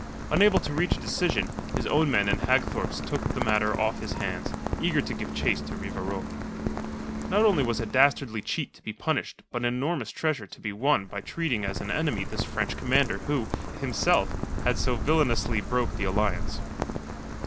Unable to reach a decision, his own men and Hagthorpe's took the matter off his hands, eager to give chase to Rivarol. Not only was a dastardly cheat to be punished but an enormous treasure to be won by treating as an enemy this French commander who, himself, had so villainously broken the alliance.